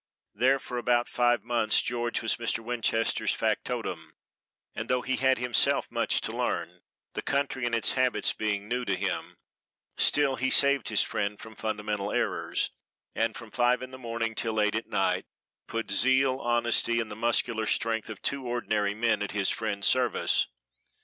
There for about five months George was Mr. Winchester's factotum, and though he had himself much to learn, the country and its habits being new to him, still he saved his friend from fundamental errors, and, from five in the morning till eight at night, put zeal, honesty and the muscular strength of two ordinary men at his friend's service.